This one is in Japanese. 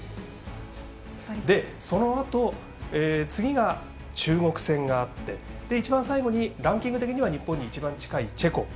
そのあと、次が中国戦があって一番最後にランキング的には日本の一番近いチェコ。